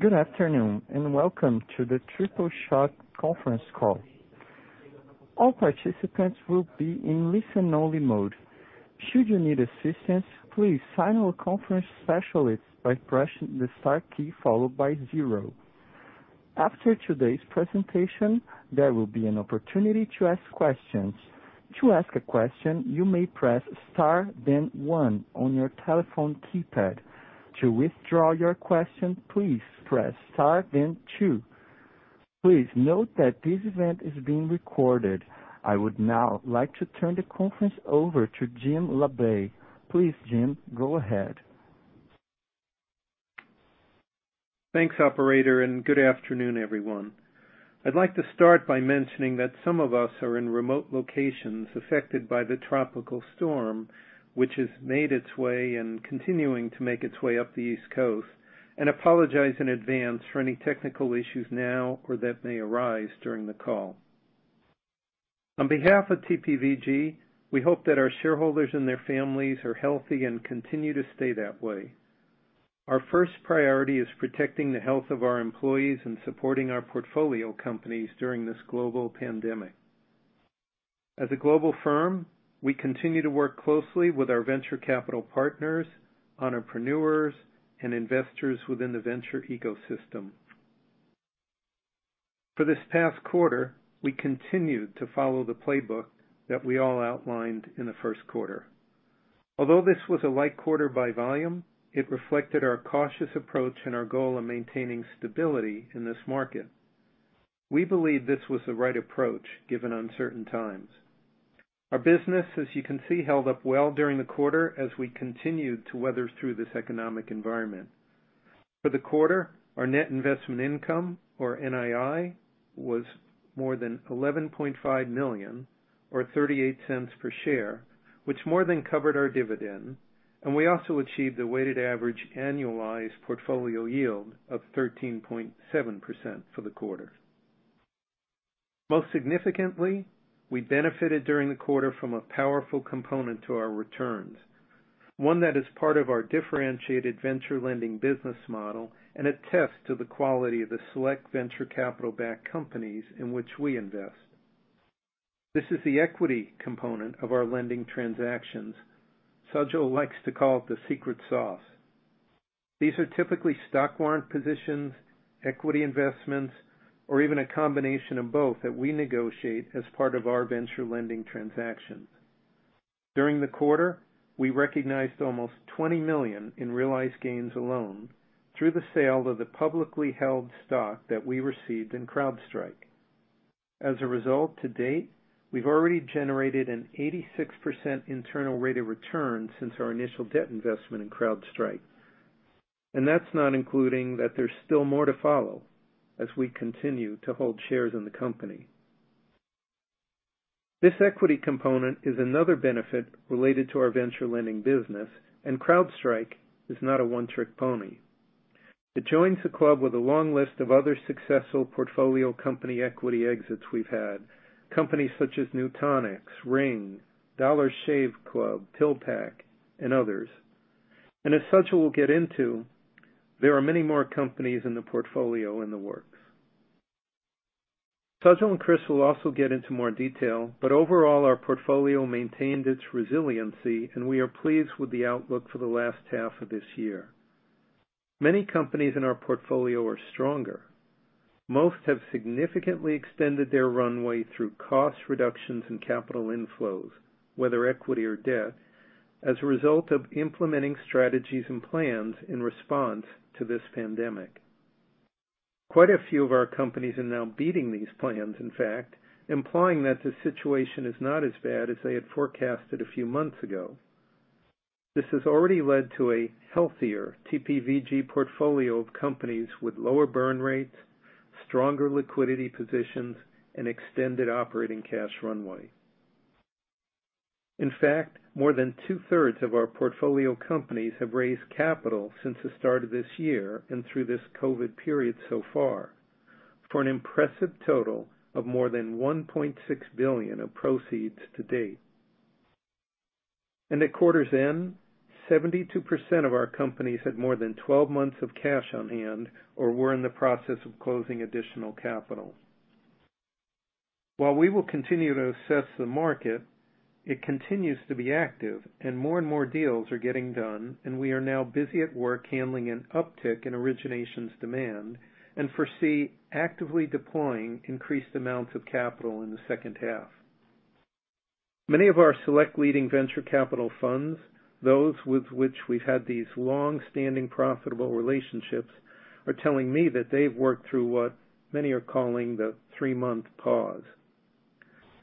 Good afternoon. Welcome to the TriplePoint conference call. All participants will be in listen only mode. Should you need assistance, please signal our conference specialist by pressing the star key followed by zero. After today's presentation, there will be an opportunity to ask questions. To ask a question, you may press star, then one on your telephone keypad. To withdraw your question, please press star, then two. Please note that this event is being recorded. I would now like to turn the conference over to Jim Labe. Please, Jim, go ahead. Thanks, operator. Good afternoon, everyone. I'd like to start by mentioning that some of us are in remote locations affected by the tropical storm, which has made its way and continuing to make its way up the East Coast, and apologize in advance for any technical issues now or that may arise during the call. On behalf of TPVG, we hope that our shareholders and their families are healthy and continue to stay that way. Our first priority is protecting the health of our employees and supporting our portfolio companies during this global pandemic. As a global firm, we continue to work closely with our venture capital partners, entrepreneurs, and investors within the venture ecosystem. For this past quarter, we continued to follow the playbook that we all outlined in the first quarter. Although this was a light quarter by volume, it reflected our cautious approach and our goal of maintaining stability in this market. We believe this was the right approach, given uncertain times. Our business, as you can see, held up well during the quarter as we continued to weather through this economic environment. For the quarter, our net investment income, or NII, was more than $11.5 million, or $0.38 per share, which more than covered our dividend, and we also achieved a weighted average annualized portfolio yield of 13.7% for the quarter. Most significantly, we benefited during the quarter from a powerful component to our returns, one that is part of our differentiated venture lending business model and attests to the quality of the select venture capital-backed companies in which we invest. This is the equity component of our lending transactions. Sajal likes to call it the secret sauce. These are typically stock warrant positions, equity investments, or even a combination of both that we negotiate as part of our venture lending transactions. During the quarter, we recognized almost $20 million in realized gains alone through the sale of the publicly held stock that we received in CrowdStrike. To date, we've already generated an 86% internal rate of return since our initial debt investment in CrowdStrike. That's not including that there's still more to follow as we continue to hold shares in the company. This equity component is another benefit related to our venture lending business, and CrowdStrike is not a one-trick pony. It joins a club with a long list of other successful portfolio company equity exits we've had. Companies such as Nutanix, Ring, Dollar Shave Club, PillPack, and others. As Sajal will get into, there are many more companies in the portfolio in the works. Sajal and Chris will also get into more detail, overall, our portfolio maintained its resiliency, and we are pleased with the outlook for the last half of this year. Many companies in our portfolio are stronger. Most have significantly extended their runway through cost reductions and capital inflows, whether equity or debt, as a result of implementing strategies and plans in response to this pandemic. Quite a few of our companies are now beating these plans, in fact, implying that the situation is not as bad as they had forecasted a few months ago. This has already led to a healthier TPVG portfolio of companies with lower burn rates, stronger liquidity positions, and extended operating cash runway. In fact, more than two-thirds of our portfolio companies have raised capital since the start of this year and through this COVID period so far, for an impressive total of more than $1.6 billion of proceeds to date. At quarter's end, 72% of our companies had more than 12 months of cash on hand or were in the process of closing additional capital. While we will continue to assess the market, it continues to be active, and more and more deals are getting done, and we are now busy at work handling an uptick in originations demand and foresee actively deploying increased amounts of capital in the second half. Many of our select leading venture capital funds, those with which we've had these long-standing, profitable relationships, are telling me that they've worked through what many are calling the three-month pause.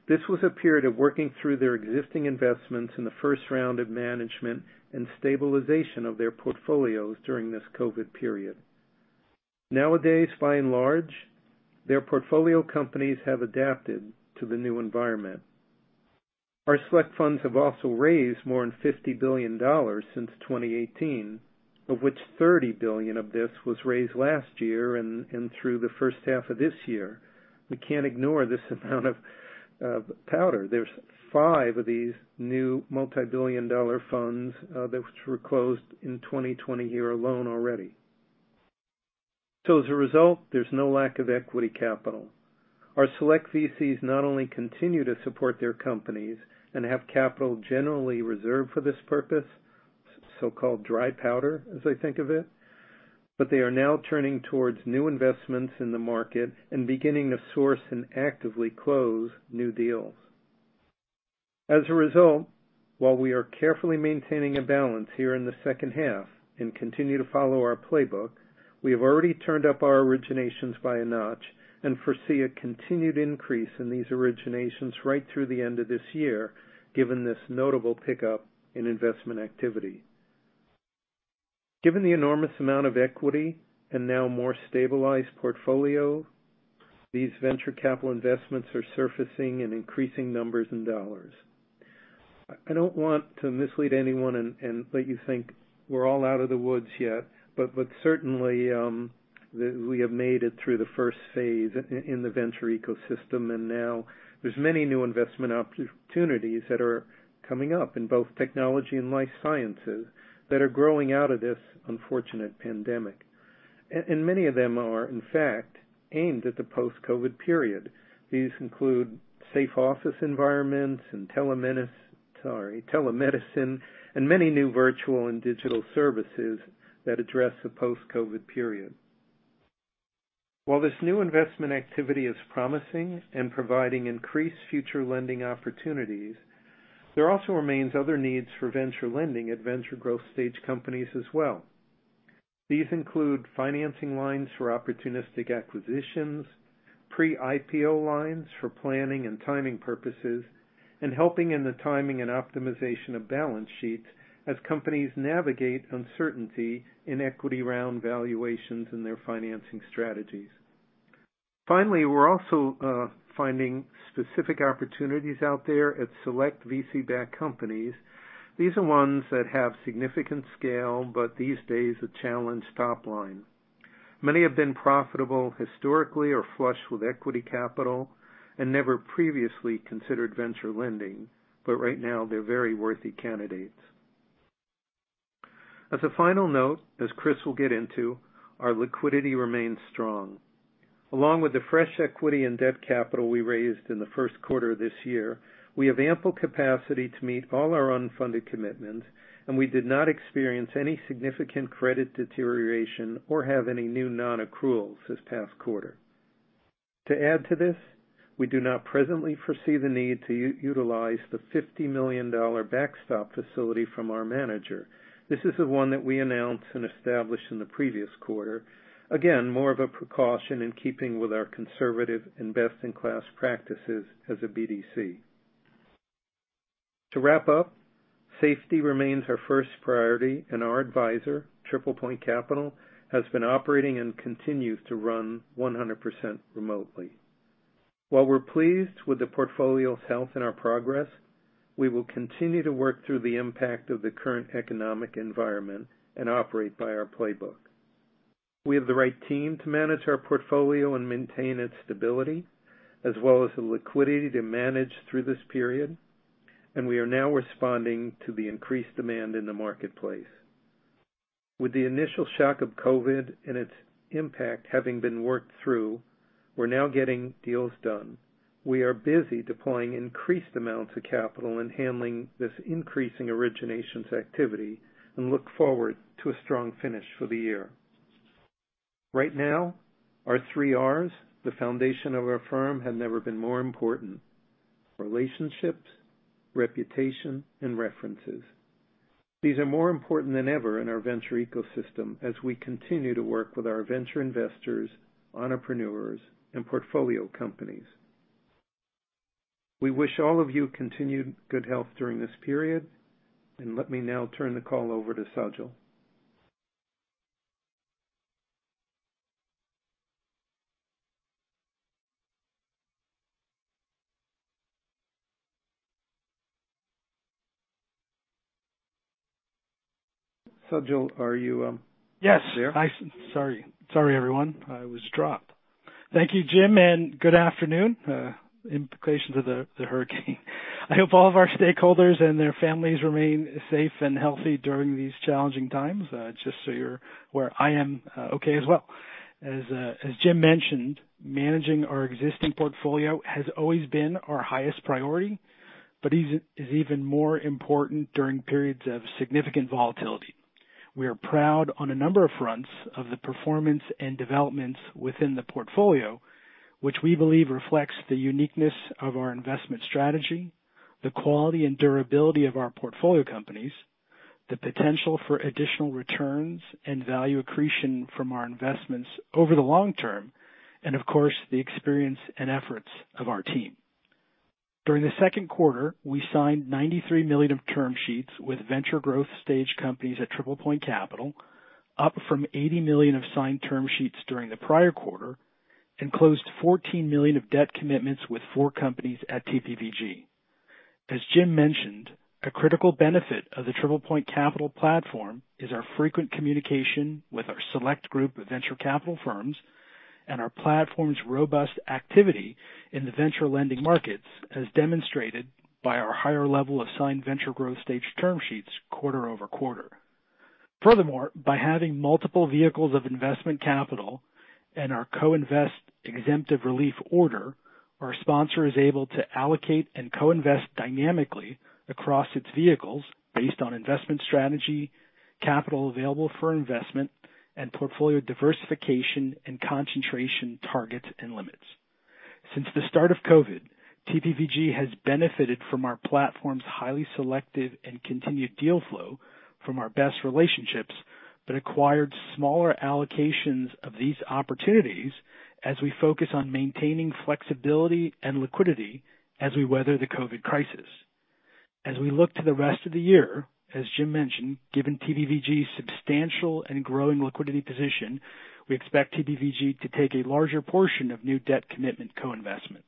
This was a period of working through their existing investments in the first round of management and stabilization of their portfolios during this COVID period. Nowadays, by and large, their portfolio companies have adapted to the new environment. Our select funds have also raised more than $50 billion since 2018, of which $30 billion of this was raised last year and through the first half of this year. We can't ignore this amount of powder. There's five of these new multi-billion dollar funds that were closed in 2020 year alone already. As a result, there's no lack of equity capital. Our select VCs not only continue to support their companies and have capital generally reserved for this purpose, so-called dry powder, as they think of it, but they are now turning towards new investments in the market and beginning to source and actively close new deals. As a result, while we are carefully maintaining a balance here in the second half and continue to follow our playbook, we have already turned up our originations by a notch and foresee a continued increase in these originations right through the end of this year, given this notable pickup in investment activity. Given the enormous amount of equity and now more stabilized portfolio, these venture capital investments are surfacing in increasing numbers and dollars. I don't want to mislead anyone and let you think we're all out of the woods yet. Certainly, we have made it through the first phase in the venture ecosystem, and now there's many new investment opportunities that are coming up in both technology and life sciences that are growing out of this unfortunate pandemic, and many of them are, in fact, aimed at the post-COVID period. These include safe office environments and telemedicine, and many new virtual and digital services that address the post-COVID period. While this new investment activity is promising and providing increased future lending opportunities, there also remains other needs for venture lending at venture growth stage companies as well. These include financing lines for opportunistic acquisitions, pre-IPO lines for planning and timing purposes, and helping in the timing and optimization of balance sheets as companies navigate uncertainty in equity round valuations and their financing strategies. We're also finding specific opportunities out there at select VC-backed companies. These are ones that have significant scale, these days, a challenged top line. Many have been profitable historically or flush with equity capital and never previously considered venture lending, right now, they're very worthy candidates. As a final note, as Chris will get into, our liquidity remains strong. Along with the fresh equity and debt capital we raised in the first quarter of this year, we have ample capacity to meet all our unfunded commitments, and we did not experience any significant credit deterioration or have any new non-accruals this past quarter. To add to this, we do not presently foresee the need to utilize the $50 million backstop facility from our manager. This is the one that we announced and established in the previous quarter. Again, more of a precaution in keeping with our conservative and best-in-class practices as a BDC. To wrap up, safety remains our first priority, and our advisor, TriplePoint Capital, has been operating and continues to run 100% remotely. While we're pleased with the portfolio's health and our progress, we will continue to work through the impact of the current economic environment and operate by our playbook. We have the right team to manage our portfolio and maintain its stability, as well as the liquidity to manage through this period. We are now responding to the increased demand in the marketplace. With the initial shock of COVID and its impact having been worked through, we're now getting deals done. We are busy deploying increased amounts of capital and handling this increasing originations activity and look forward to a strong finish for the year. Right now, our three Rs, the foundation of our firm, have never been more important. Relationships, reputation, and references. These are more important than ever in our venture ecosystem as we continue to work with our venture investors, entrepreneurs, and portfolio companies. We wish all of you continued good health during this period. Let me now turn the call over to Sajal. Sajal, are you. Yes there? Sorry, everyone. I was dropped. Thank you, Jim, and good afternoon. Implications of the hurricane. I hope all of our stakeholders and their families remain safe and healthy during these challenging times. Just so you're aware, I am okay as well. As Jim mentioned, managing our existing portfolio has always been our highest priority but is even more important during periods of significant volatility. We are proud on a number of fronts of the performance and developments within the portfolio, which we believe reflects the uniqueness of our investment strategy, the quality and durability of our portfolio companies, the potential for additional returns and value accretion from our investments over the long term, and of course, the experience and efforts of our team. During the second quarter, we signed $93 million of term sheets with venture growth stage companies at TriplePoint Capital, up from $80 million of signed term sheets during the prior quarter, and closed $14 million of debt commitments with four companies at TPVG. As Jim mentioned, a critical benefit of the TriplePoint Capital platform is our frequent communication with our select group of venture capital firms. Our platform's robust activity in the venture lending markets, as demonstrated by our higher level of signed venture growth stage term sheets quarter-over-quarter. Furthermore, by having multiple vehicles of investment capital and our co-invest exemptive relief order, our sponsor is able to allocate and co-invest dynamically across its vehicles based on investment strategy, capital available for investment, and portfolio diversification and concentration targets and limits. Since the start of COVID, TPVG has benefited from our platform's highly selective and continued deal flow from our best relationships, but acquired smaller allocations of these opportunities as we focus on maintaining flexibility and liquidity as we weather the COVID crisis. As we look to the rest of the year, as Jim mentioned, given TPVG's substantial and growing liquidity position, we expect TPVG to take a larger portion of new debt commitment co-investments.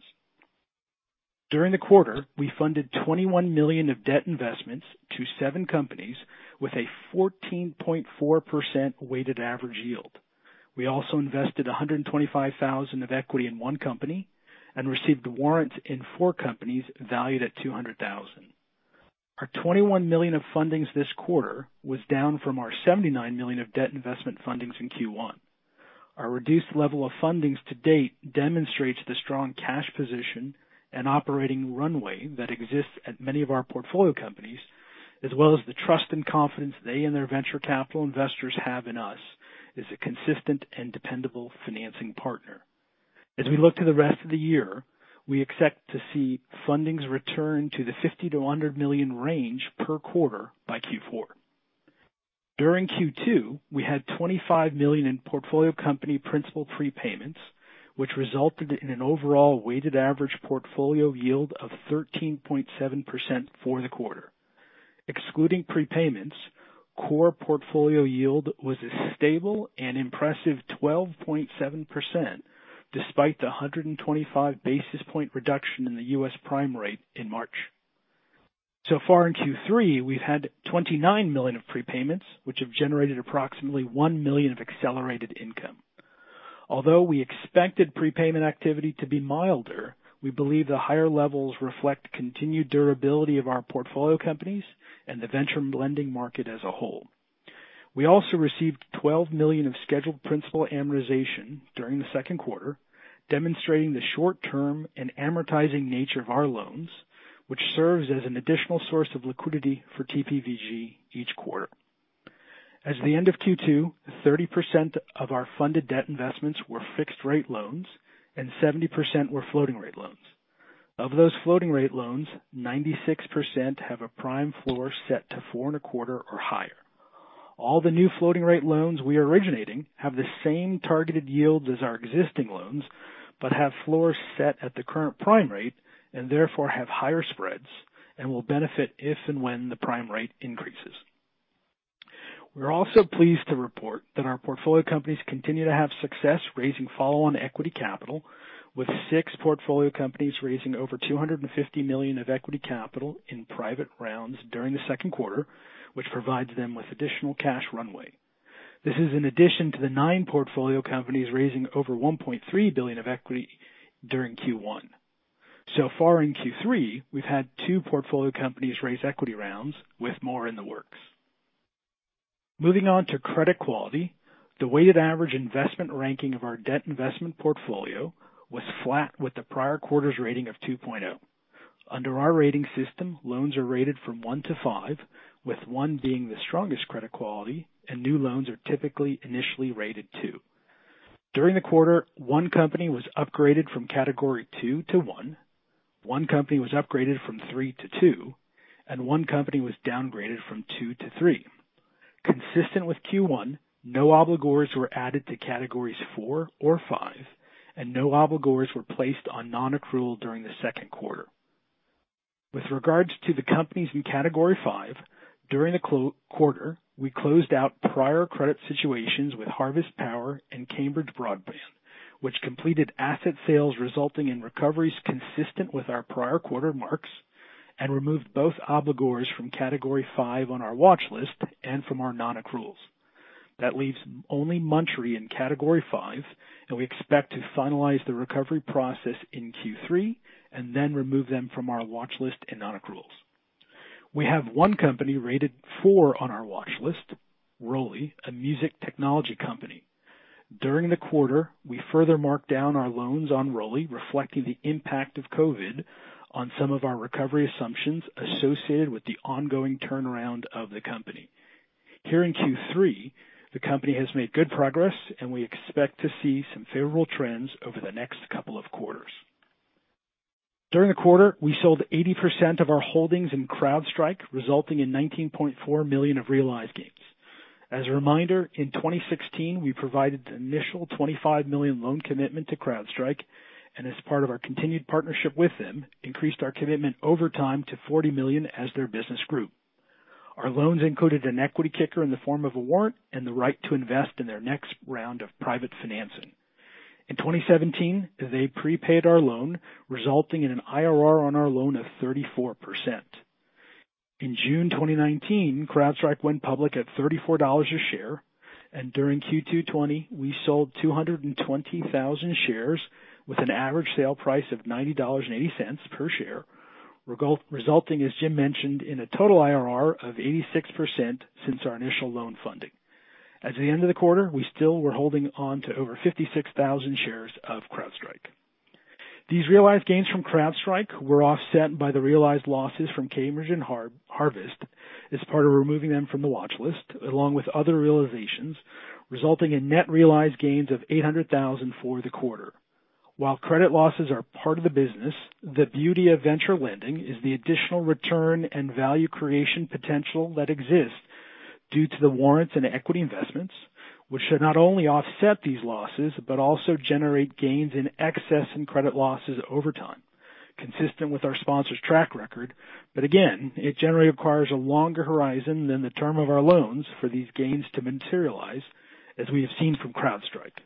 During the quarter, we funded $21 million of debt investments to seven companies, with a 14.4% weighted average yield. We also invested $125,000 of equity in one company and received warrants in four companies valued at $200,000. Our $21 million of fundings this quarter was down from our $79 million of debt investment fundings in Q1. Our reduced level of fundings to date demonstrates the strong cash position and operating runway that exists at many of our portfolio companies, as well as the trust and confidence they and their venture capital investors have in us as a consistent and dependable financing partner. As we look to the rest of the year, we expect to see fundings return to the $50 million to $100 million range per quarter by Q4. During Q2, we had $25 million in portfolio company principal prepayments, which resulted in an overall weighted average portfolio yield of 13.7% for the quarter. Excluding prepayments, core portfolio yield was a stable and impressive 12.7%, despite the 125 basis point reduction in the US prime rate in March. Far in Q3, we've had $29 million of prepayments, which have generated approximately $1 million of accelerated income. Although we expected prepayment activity to be milder, we believe the higher levels reflect continued durability of our portfolio companies and the venture lending market as a whole. We also received $12 million of scheduled principal amortization during the second quarter, demonstrating the short-term and amortizing nature of our loans, which serves as an additional source of liquidity for TPVG each quarter. As the end of Q2, 30% of our funded debt investments were fixed-rate loans and 70% were floating-rate loans. Of those floating-rate loans, 96% have a prime floor set to 4.25 or higher. All the new floating-rate loans we are originating have the same targeted yields as our existing loans but have floors set at the current prime rate and therefore have higher spreads and will benefit if and when the prime rate increases. We're also pleased to report that our portfolio companies continue to have success raising follow-on equity capital with six portfolio companies raising over $250 million of equity capital in private rounds during the second quarter, which provides them with additional cash runway. This is in addition to the nine portfolio companies raising over $1.3 billion of equity during Q1. So far in Q3, we've had two portfolio companies raise equity rounds, with more in the works. Moving on to credit quality. The weighted average investment ranking of our debt investment portfolio was flat with the prior quarter's rating of 2.0. Under our rating system, loans are rated from one to five, with one being the strongest credit quality, and new loans are typically initially rated two. During the quarter, one company was upgraded from category 2 to 1, one company was upgraded from 3 to 2, and one company was downgraded from 2 to 3. Consistent with Q1, no obligors were added to categories 4 or 5, and no obligors were placed on non-accrual during the second quarter. With regards to the companies in category 5, during the quarter, we closed out prior credit situations with Harvest Power and Cambridge Broadband, which completed asset sales resulting in recoveries consistent with our prior quarter marks and removed both obligors from category 5 on our watch list and from our non-accruals. That leaves only Munchery in category 5, and we expect to finalize the recovery process in Q3 and then remove them from our watch list and non-accruals. We have one company rated 4 on our watch list, Roli, a music technology company. During the quarter, we further marked down our loans on Roli, reflecting the impact of COVID on some of our recovery assumptions associated with the ongoing turnaround of the company. Here in Q3, the company has made good progress, and we expect to see some favorable trends over the next couple of quarters. During the quarter, we sold 80% of our holdings in CrowdStrike, resulting in $19.4 million of realized gains. As a reminder, in 2016, we provided the initial $25 million loan commitment to CrowdStrike, and as part of our continued partnership with them, increased our commitment over time to $40 million as their business grew. Our loans included an equity kicker in the form of a warrant and the right to invest in their next round of private financing. In 2017, they prepaid our loan, resulting in an IRR on our loan of 34%. In June 2019, CrowdStrike went public at $34 a share, and during Q2 2020, we sold 220,000 shares with an average sale price of $90.80 per share, resulting, as Jim mentioned, in a total IRR of 86% since our initial loan funding. At the end of the quarter, we still were holding on to over 56,000 shares of CrowdStrike. These realized gains from CrowdStrike were offset by the realized losses from Cambridge and Harvest as part of removing them from the watchlist, along with other realizations, resulting in net realized gains of $800,000 for the quarter. While credit losses are part of the business, the beauty of venture lending is the additional return and value creation potential that exists due to the warrants and equity investments, which should not only offset these losses but also generate gains in excess in credit losses over time, consistent with our sponsors' track record. Again, it generally requires a longer horizon than the term of our loans for these gains to materialize, as we have seen from CrowdStrike.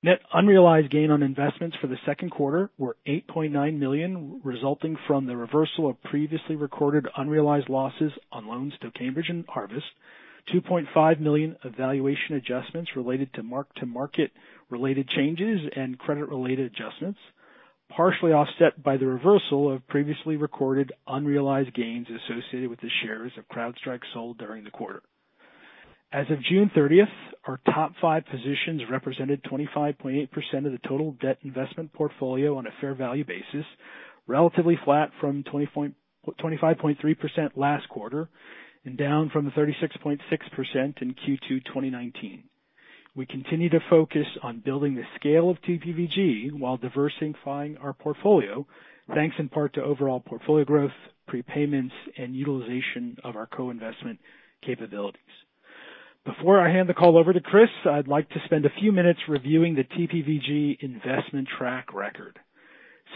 Net unrealized gain on investments for the second quarter were $8.9 million, resulting from the reversal of previously recorded unrealized losses on loans to Cambridge and Harvest, $2.5 million of valuation adjustments related to mark-to-market related changes and credit-related adjustments, partially offset by the reversal of previously recorded unrealized gains associated with the shares of CrowdStrike sold during the quarter. As of June 30th, our top five positions represented 25.8% of the total debt investment portfolio on a fair value basis, relatively flat from 25.3% last quarter, and down from the 36.6% in Q2 2019. We continue to focus on building the scale of TPVG while diversifying our portfolio, thanks in part to overall portfolio growth, prepayments, and utilization of our co-investment capabilities. Before I hand the call over to Chris, I'd like to spend a few minutes reviewing the TPVG investment track record.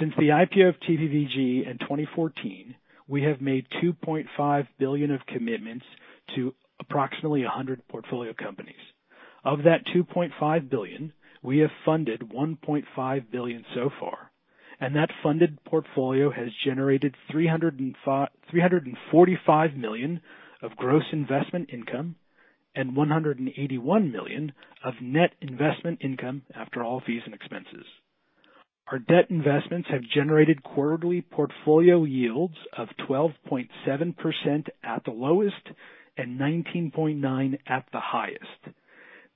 Since the IPO of TPVG in 2014, we have made $2.5 billion of commitments to approximately 100 portfolio companies. Of that $2.5 billion, we have funded $1.5 billion so far, and that funded portfolio has generated $345 million of gross investment income and $181 million of net investment income after all fees and expenses. Our debt investments have generated quarterly portfolio yields of 12.7% at the lowest and 19.9% at the highest.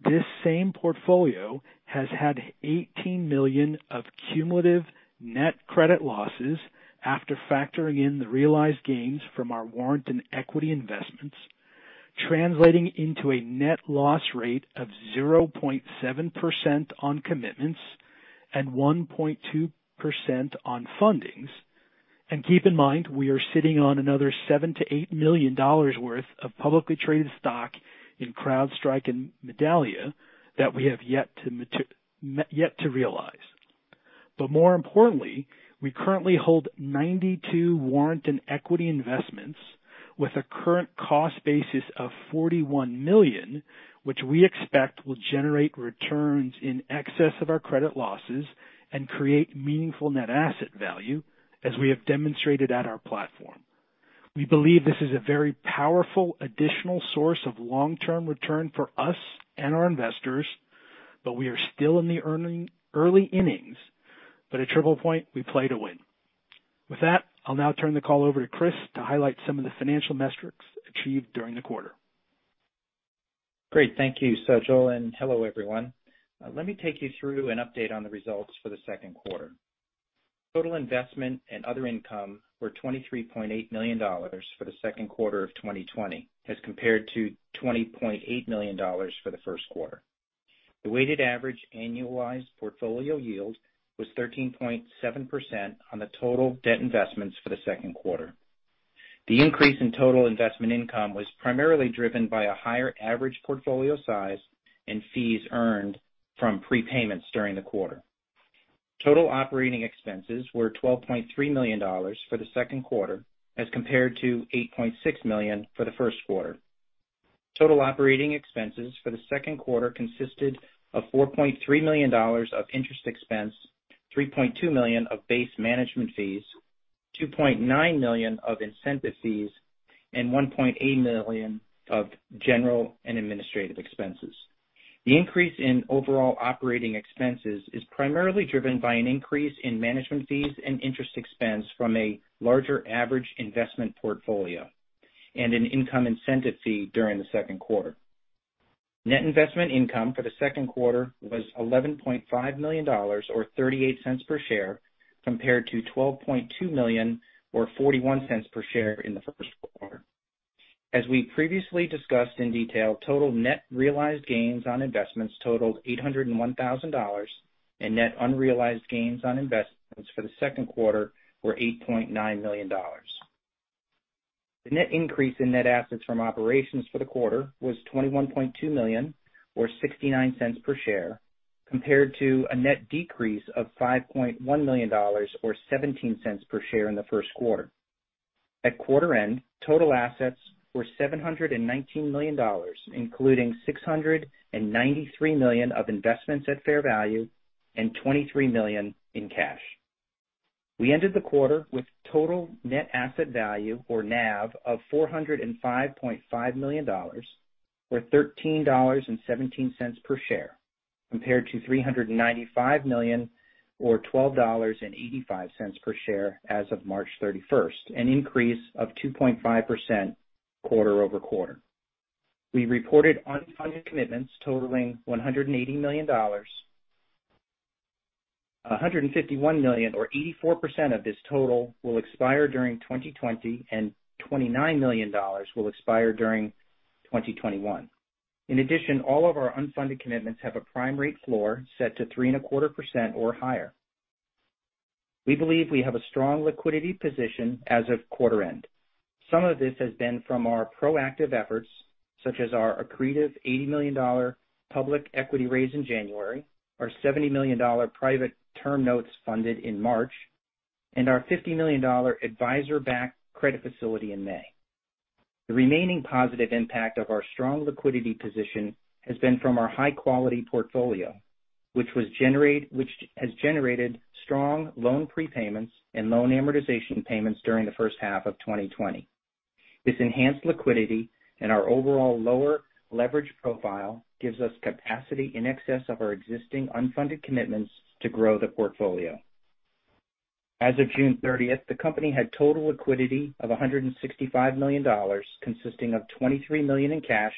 This same portfolio has had $18 million of cumulative net credit losses after factoring in the realized gains from our warrant and equity investments, translating into a net loss rate of 0.7% on commitments and 1.2% on fundings. Keep in mind, we are sitting on another $7 million-$8 million worth of publicly traded stock in CrowdStrike and Medallia that we have yet to realize. More importantly, we currently hold 92 warrant and equity investments with a current cost basis of $41 million, which we expect will generate returns in excess of our credit losses and create meaningful net asset value, as we have demonstrated at our platform. We believe this is a very powerful additional source of long-term return for us and our investors, but we are still in the early innings, but at TriplePoint, we play to win. With that, I'll now turn the call over to Chris to highlight some of the financial metrics achieved during the quarter. Great. Thank you, Sajal, and hello, everyone. Let me take you through an update on the results for the second quarter. Total investment and other income were $23.8 million for the second quarter of 2020 as compared to $20.8 million for the first quarter. The weighted average annualized portfolio yield was 13.7% on the total debt investments for the second quarter. The increase in total investment income was primarily driven by a higher average portfolio size and fees earned from prepayments during the quarter. Total operating expenses were $12.3 million for the second quarter as compared to $8.6 million for the first quarter. Total operating expenses for the second quarter consisted of $4.3 million of interest expense, $3.2 million of base management fees, $2.9 million of incentive fees, and $1.8 million of general and administrative expenses. The increase in overall operating expenses is primarily driven by an increase in management fees and interest expense from a larger average investment portfolio and an income incentive fee during the second quarter. Net investment income for the second quarter was $11.5 million or $0.38 per share compared to $12.2 million or $0.41 per share in the first quarter. As we previously discussed in detail, total net realized gains on investments totaled $801,000 and net unrealized gains on investments for the second quarter were $8.9 million. The net increase in net assets from operations for the quarter was $21.2 million or $0.69 per share, compared to a net decrease of $5.1 million or $0.17 per share in the first quarter. At quarter end, total assets were $719 million, including $693 million of investments at fair value. $23 million in cash. We ended the quarter with total net asset value or NAV of $405.5 million or $13.17 per share, compared to $395 million or $12.85 per share as of March 31st, an increase of 2.5% quarter-over-quarter. We reported unfunded commitments totaling $180 million. $151 million or 84% of this total will expire during 2020, and $29 million will expire during 2021. In addition, all of our unfunded commitments have a prime rate floor set to 3.25% or higher. We believe we have a strong liquidity position as of quarter end. Some of this has been from our proactive efforts, such as our accretive $80 million public equity raise in January, our $70 million private term notes funded in March, and our $50 million advisor-backed credit facility in May. The remaining positive impact of our strong liquidity position has been from our high-quality portfolio, which has generated strong loan prepayments and loan amortization payments during the first half of 2020. This enhanced liquidity and our overall lower leverage profile gives us capacity in excess of our existing unfunded commitments to grow the portfolio. As of June 30th, the company had total liquidity of $165 million, consisting of $23 million in cash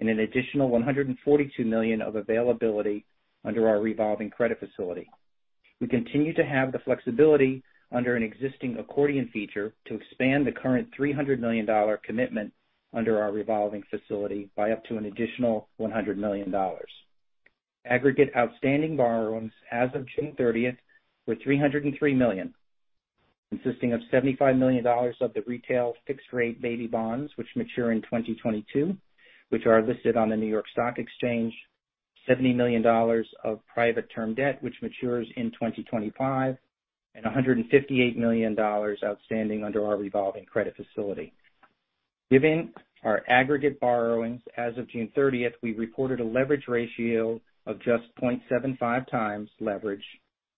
and an additional $142 million of availability under our revolving credit facility. We continue to have the flexibility under an existing accordion feature to expand the current $300 million commitment under our revolving facility by up to an additional $100 million. Aggregate outstanding borrowings as of June 30th were $303 million, consisting of $75 million of the retail fixed-rate baby bonds, which mature in 2022, which are listed on the New York Stock Exchange. $70 million of private term debt, which matures in 2025, and $158 million outstanding under our revolving credit facility. Given our aggregate borrowings as of June 30th, we reported a leverage ratio of just 0.75 times leverage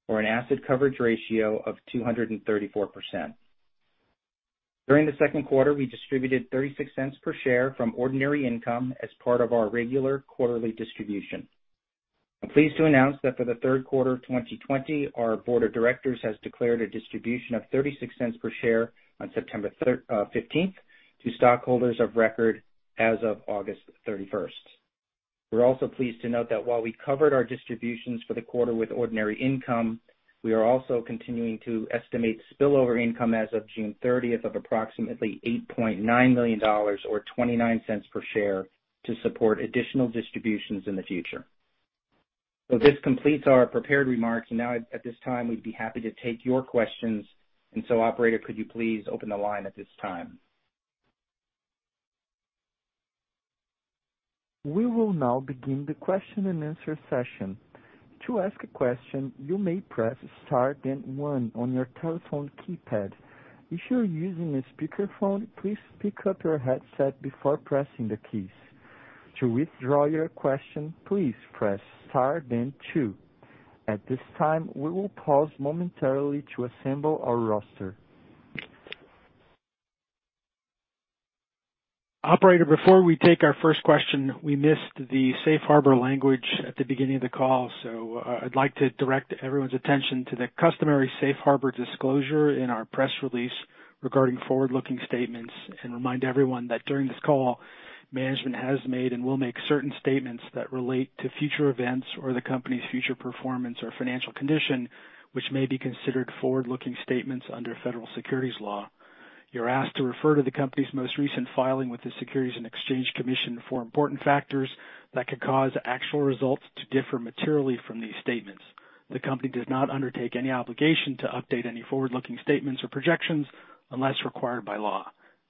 or an asset coverage ratio of 234%. During the second quarter, we distributed $0.36 per share from ordinary income as part of our regular quarterly distribution. I'm pleased to announce that for the third quarter of 2020, our board of directors has declared a distribution of $0.36 per share on September 15th to stockholders of record as of August 31st. We're also pleased to note that while we covered our distributions for the quarter with ordinary income, we are also continuing to estimate spillover income as of June 30th of approximately $8.9 million or $0.29 per share to support additional distributions in the future. This completes our prepared remarks. Now at this time, we'd be happy to take your questions. Operator, could you please open the line at this time? We will now begin the question-and-answer session. To ask a question, you may press star then one on your telephone keypad. If you're using a speakerphone, please pick up your headset before pressing the keys. To withdraw your question, please press star then two. At this time, we will pause momentarily to assemble our roster. Operator, before we take our first question, we missed the safe harbor language at the beginning of the call. I'd like to direct everyone's attention to the customary safe harbor disclosure in our press release regarding forward-looking statements and remind everyone that during this call, management has made and will make certain statements that relate to future events or the company's future performance or financial condition, which may be considered forward-looking statements under federal securities law. You're asked to refer to the company's most recent filing with the Securities and Exchange Commission for important factors that could cause actual results to differ materially from these statements. The company does not undertake any obligation to update any forward-looking statements or projections unless required by law.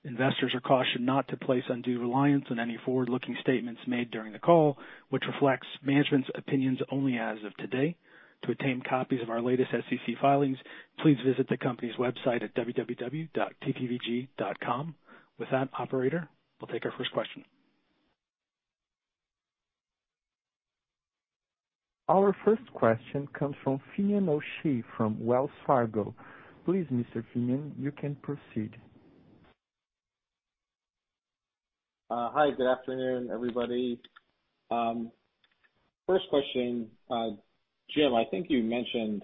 Investors are cautioned not to place undue reliance on any forward-looking statements made during the call, which reflects management's opinions only as of today. To obtain copies of our latest SEC filings, please visit the company's website at www.tpvg.com. With that, operator, we'll take our first question. Our first question comes from Finian O'Shea from Wells Fargo. Please, Mr. Finian, you can proceed. Hi, good afternoon, everybody. First question. Jim, I think you mentioned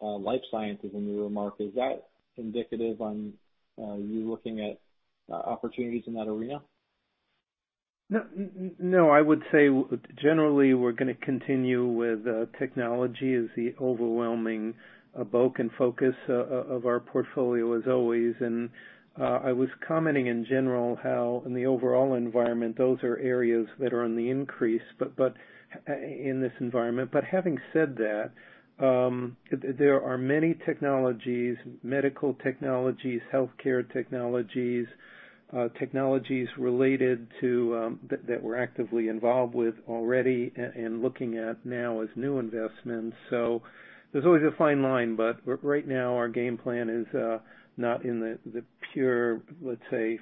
life sciences in your remark. Is that indicative on you looking at opportunities in that arena? I would say generally we're going to continue with technology as the overwhelming bulk and focus of our portfolio as always. I was commenting in general how in the overall environment, those are areas that are on the increase in this environment. Having said that, there are many technologies, medical technologies, healthcare technologies that we're actively involved with already and looking at now as new investments. There's always a fine line, but right now our game plan is not in the pure, let's say,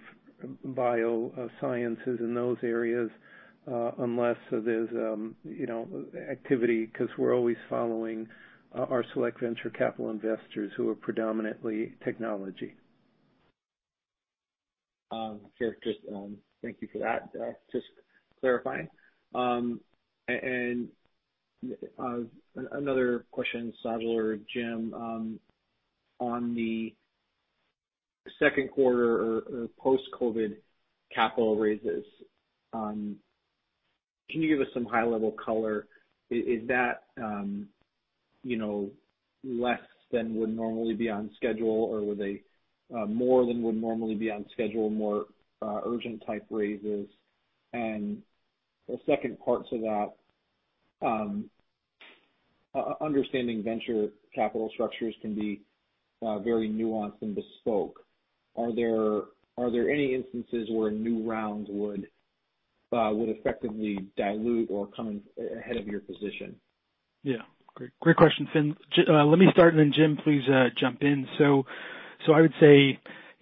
biosciences and those areas, unless there's activity, because we're always following our select venture capital investors who are predominantly technology. Sure. Thank you for that. Just clarifying. Another question, Sajal or Jim, on the second quarter or post-COVID capital raises. Can you give us some high-level color? Is that less than would normally be on schedule or were they more than would normally be on schedule, more urgent type raises? The second part to that, understanding venture capital structures can be very nuanced and bespoke. Are there any instances where new rounds would effectively dilute or come ahead of your position? Yeah. Great question, Finn. Let me start and then Jim, please jump in. I would say,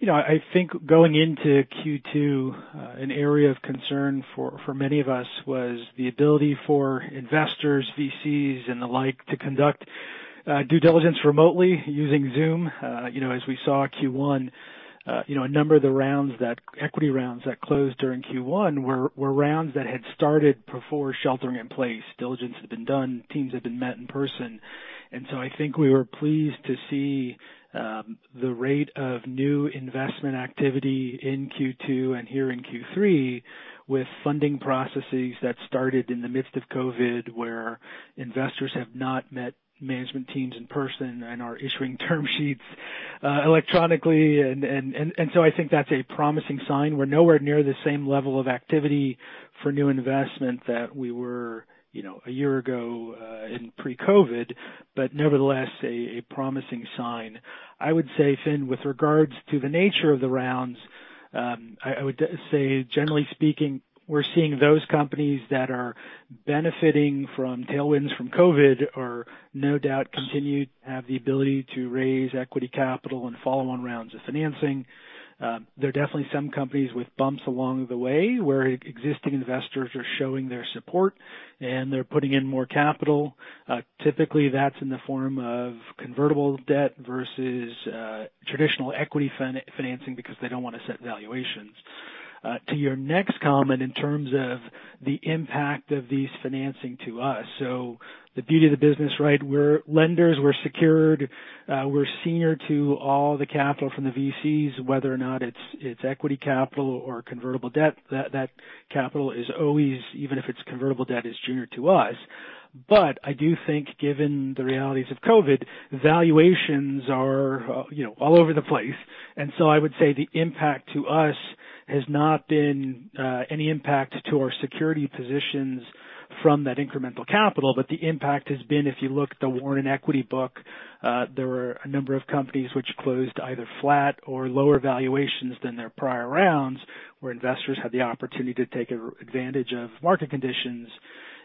I think going into Q2, an area of concern for many of us was the ability for investors, VCs, and the like, to conduct due diligence remotely using Zoom. As we saw Q1, a number of the equity rounds that closed during Q1 were rounds that had started before sheltering in place. Diligence had been done, teams had been met in person. I think we were pleased to see the rate of new investment activity in Q2 and here in Q3 with funding processes that started in the midst of COVID, where investors have not met management teams in person and are issuing term sheets electronically. I think that's a promising sign. We're nowhere near the same level of activity for new investment that we were a year ago in pre-COVID, but nevertheless, a promising sign. I would say, Finn, with regards to the nature of the rounds, I would say generally speaking, we're seeing those companies that are benefiting from tailwinds from COVID are no doubt continued to have the ability to raise equity capital and follow-on rounds of financing. There are definitely some companies with bumps along the way where existing investors are showing their support, and they're putting in more capital. Typically, that's in the form of convertible debt versus traditional equity financing because they don't want to set valuations. To your next comment in terms of the impact of these financings to us. The beauty of the business, we're lenders, we're secured, we're senior to all the capital from the VCs, whether or not it's equity capital or convertible debt. That capital is always, even if it's convertible debt, is junior to us. I do think given the realities of COVID, valuations are all over the place. I would say the impact to us has not been any impact to our security positions from that incremental capital. The impact has been, if you look at the warrant equity book, there were a number of companies which closed either flat or lower valuations than their prior rounds, where investors had the opportunity to take advantage of market conditions.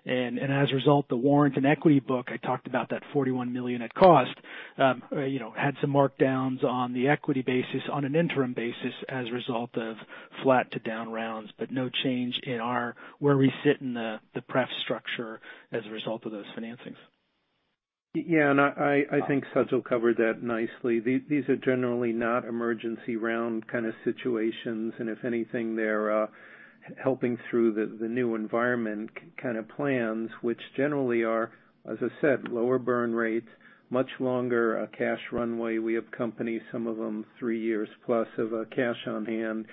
As a result, the warrant and equity book, I talked about that $41 million at cost, had some markdowns on the equity basis on an interim basis as a result of flat to down rounds. No change in where we sit in the pref structure as a result of those financings. I think Sajal covered that nicely. These are generally not emergency round kind of situations. If anything, they're helping through the new environment kind of plans, which generally are, as I said, lower burn rates, much longer cash runway. We have companies, some of them three years plus of cash on hand,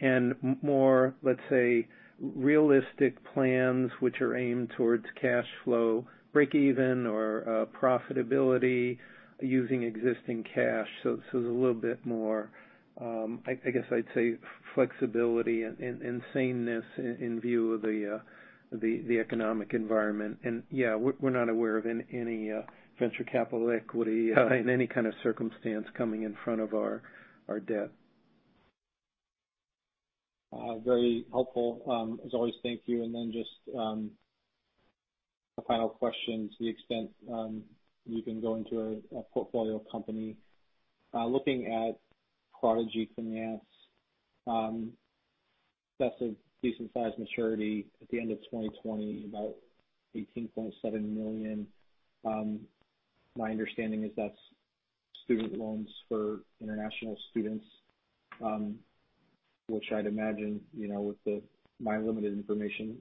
and more, let's say, realistic plans which are aimed towards cash flow break even or profitability using existing cash. There's a little bit more, I guess I'd say flexibility and saneness in view of the economic environment. Yeah, we're not aware of any venture capital equity in any kind of circumstance coming in front of our debt. Very helpful. As always, thank you. Just a final question to the extent you can go into a portfolio company. Looking at Prodigy Finance, that's a decent size maturity at the end of 2020, about $18.7 million. My understanding is that's student loans for international students, which I'd imagine with my limited information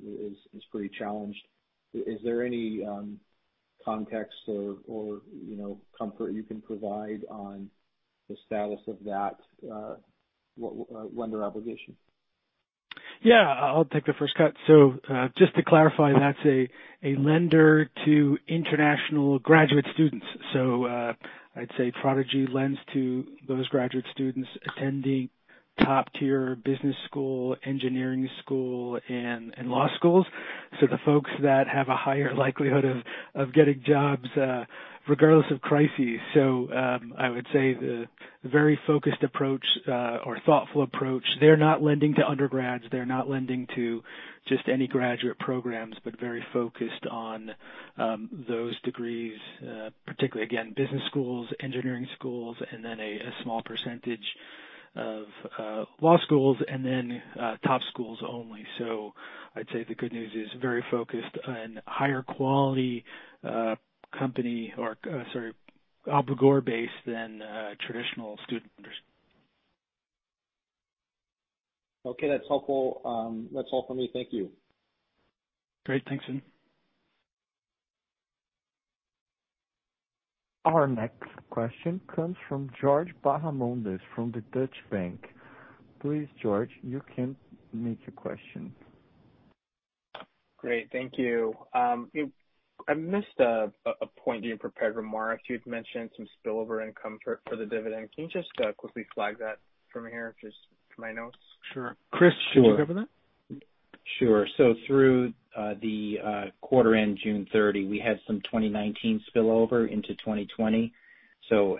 is pretty challenged. Is there any context or comfort you can provide on the status of that lender obligation? Yeah. I'll take the first cut. Just to clarify, that's a lender to international graduate students. I'd say Prodigy lends to those graduate students attending top-tier business school, engineering school, and law schools. The folks that have a higher likelihood of getting jobs regardless of crises. I would say the very focused approach or thoughtful approach. They're not lending to undergrads. They're not lending to just any graduate programs, but very focused on those degrees, particularly, again, business schools, engineering schools, and then a small percentage of law schools and then top schools only. I'd say the good news is very focused on higher quality company or sort of borrower base than traditional student lenders. Okay, that's helpful. That's all for me. Thank you. Great. Thanks, Jim. Our next question comes from George Bahamondes from the Deutsche Bank. Please, George, you can make your question. Great. Thank you. I missed a point in your prepared remarks. You had mentioned some spillover income for the dividend. Can you just quickly flag that from here, just for my notes? Sure. Chris. Sure. Could you cover that? Sure. Through the quarter end, June 30, we had some 2019 spillover into 2020.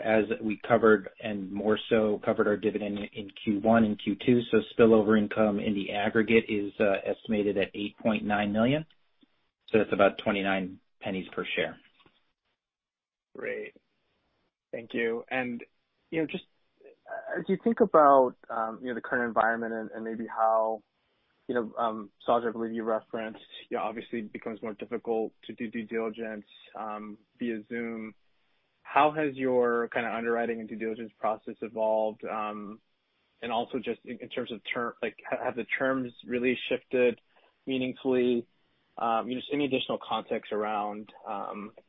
As we covered, and more so covered our dividend in Q1 and Q2, spillover income in the aggregate is estimated at $8.9 million. That's about $0.29 per share. Great. Thank you. As you think about the current environment and maybe how Sajal, I believe you referenced, obviously becomes more difficult to do due diligence via Zoom. How has your kind of underwriting and due diligence process evolved? Also just in terms of like, have the terms really shifted meaningfully? Just any additional context around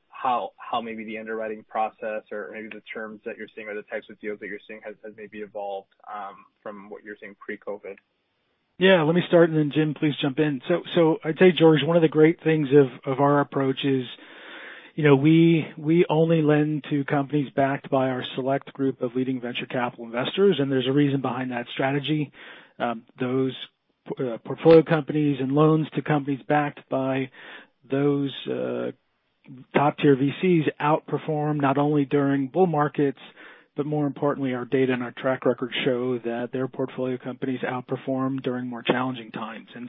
how maybe the underwriting process or maybe the terms that you're seeing or the types of deals that you're seeing has maybe evolved from what you were seeing pre-COVID. Let me start, and then Jim, please jump in. I'd say, George, one of the great things of our approach is we only lend to companies backed by our select group of leading venture capital investors, and there's a reason behind that strategy. Those portfolio companies and loans to companies backed by those top-tier VCs outperform not only during bull markets, but more importantly, our data and our track record show that their portfolio companies outperform during more challenging times. I'd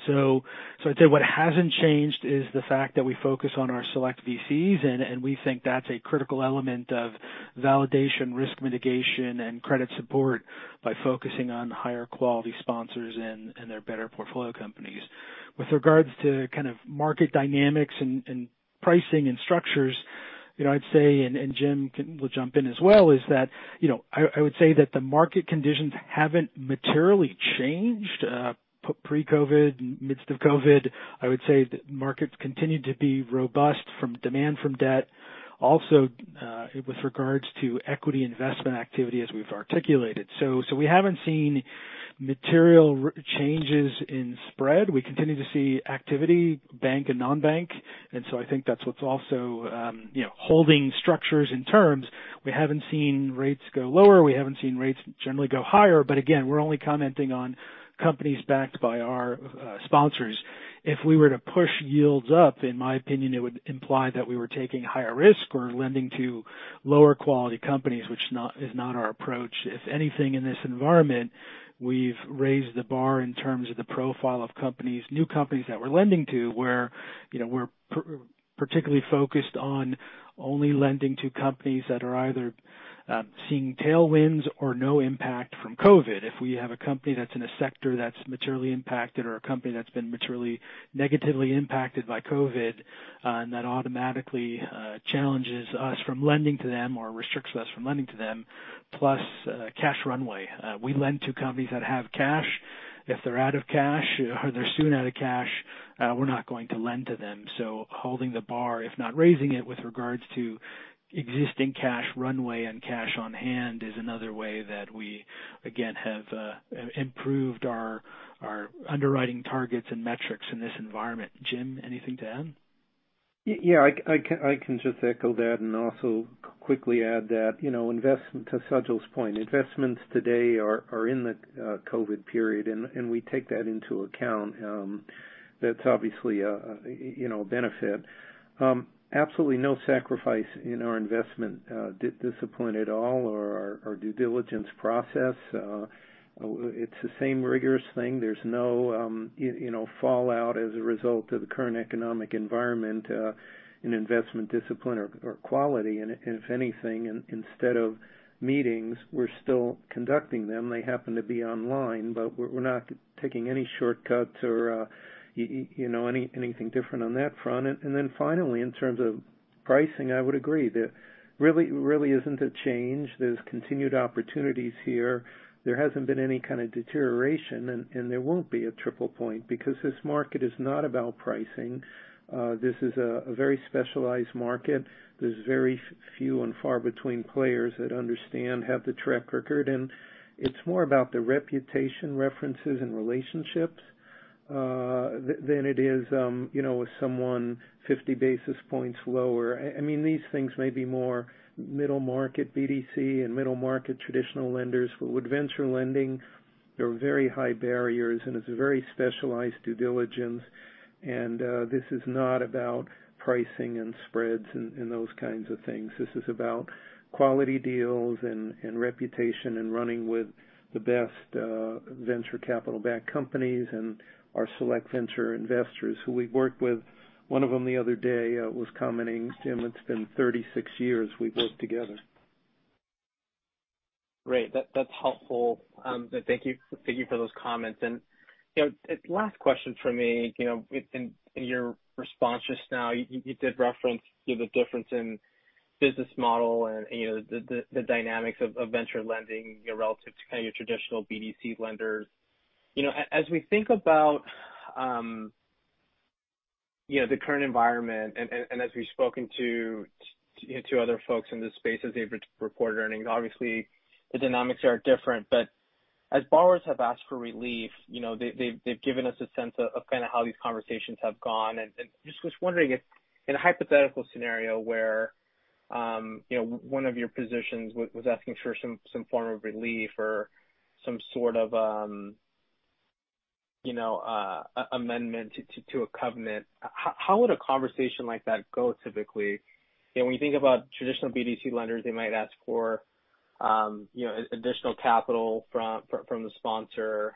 say what hasn't changed is the fact that we focus on our select VCs, and we think that's a critical element of validation, risk mitigation, and credit support by focusing on higher quality sponsors and their better portfolio companies. With regards to kind of market dynamics and pricing and structures, I'd say, and Jim will jump in as well, is that I would say that the market conditions haven't materially changed pre-COVID, midst of COVID. I would say the markets continued to be robust from demand from debt. Also, with regards to equity investment activity, as we've articulated. We haven't seen material changes in spread. We continue to see activity, bank and non-bank. I think that's what's also holding structures and terms. We haven't seen rates go lower. We haven't seen rates generally go higher. Again, we're only commenting on companies backed by our sponsors. If we were to push yields up, in my opinion, it would imply that we were taking higher risk or lending to lower quality companies, which is not our approach. If anything, in this environment, we've raised the bar in terms of the profile of companies, new companies that we're lending to, where we're particularly focused on only lending to companies that are either seeing tailwinds or no impact from COVID. If we have a company that's in a sector that's materially impacted or a company that's been materially negatively impacted by COVID, that automatically challenges us from lending to them or restricts us from lending to them. Plus cash runway. We lend to companies that have cash. If they're out of cash or they're soon out of cash, we're not going to lend to them. Holding the bar, if not raising it with regards to existing cash runway and cash on hand, is another way that we again have improved our underwriting targets and metrics in this environment. Jim, anything to add? Yeah, I can just echo that and also quickly add that to Sajal's point, investments today are in the COVID period, and we take that into account. That's obviously a benefit. Absolutely no sacrifice in our investment discipline at all or our due diligence process. It's the same rigorous thing. There's no fallout as a result of the current economic environment in investment discipline or quality. If anything, instead of meetings, we're still conducting them. They happen to be online, but we're not taking any shortcuts or anything different on that front. Finally, in terms of pricing, I would agree. There really isn't a change. There's continued opportunities here. There hasn't been any kind of deterioration, and there won't be at TriplePoint because this market is not about pricing. This is a very specialized market. There's very few and far between players that understand, have the track record, and it's more about the reputation, references, and relationships than it is with someone 50 basis points lower. These things may be more middle market BDC and middle market traditional lenders. With venture lending, there are very high barriers, it's a very specialized due diligence. This is not about pricing and spreads and those kinds of things. This is about quality deals and reputation and running with the best venture capital-backed companies and our select venture investors who we've worked with. One of them the other day was commenting, "Jim, it's been 36 years we've worked together. Great. That's helpful. Thank you for those comments. Last question from me. In your response just now, you did reference the difference in business model and the dynamics of venture lending relative to your traditional BDC lenders. As we think about the current environment and as we've spoken to other folks in this space as they've reported earnings, obviously the dynamics are different. As borrowers have asked for relief, they've given us a sense of how these conversations have gone. Just was wondering if in a hypothetical scenario where one of your positions was asking for some form of relief or some sort of amendment to a covenant, how would a conversation like that go typically? When you think about traditional BDC lenders, they might ask for additional capital from the sponsor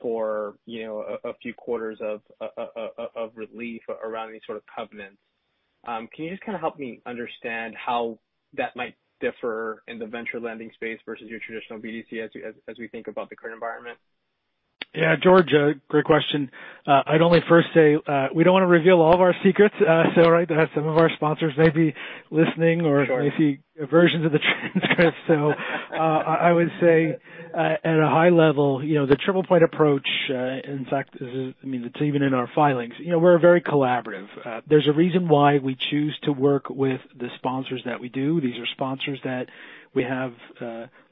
for a few quarters of relief around these sort of covenants. Can you just kind of help me understand how that might differ in the venture lending space versus your traditional BDC as we think about the current environment? Yeah, George, great question. I'd only first say, we don't want to reveal all of our secrets. Some of our sponsors may be listening or may see versions of the transcript. I would say at a high level, the TriplePoint approach, in fact, it's even in our filings. We're very collaborative. There's a reason why we choose to work with the sponsors that we do. These are sponsors that we have